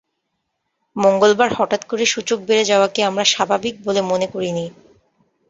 মঙ্গলবার হঠাৎ করে সূচক বেড়ে যাওয়াকে আমরা স্বাভাবিক বলে মনে করিনি।